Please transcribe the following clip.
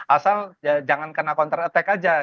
asal jangan kena counter attack aja